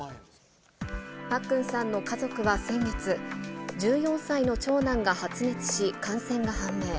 パックンさんの家族は先月、１４歳の長男が発熱し、感染が判明。